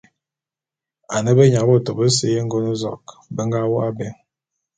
Ane benyabôtô bese y'Engôn-zok be nga wôk abé.